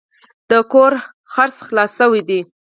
د کور خرڅ خلاص شوی دی.